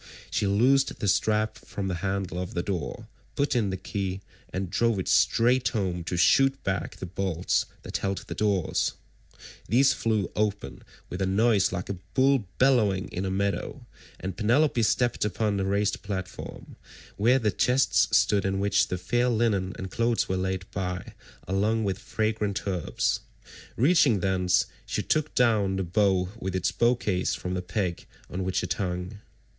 She loosed the strap from the handle of the door, put in the key, and drove it straight home to shoot back the bolts that held the doors;161 these flew open with a noise like a bull bellowing in a meadow, and Penelope stepped upon the raised platform, where the chests stood in which the fair linen and clothes were laid by along with fragrant herbs: reaching thence, she took down the bow with its bow case from the peg on which it hung.